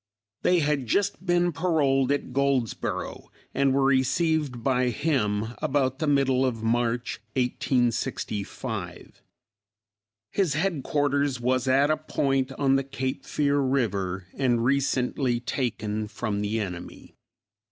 They had just been paroled at Goldsboro, and were received by him about the middle of March, 1865. His headquarters was at a point on the Cape Fear river and recently taken from the enemy.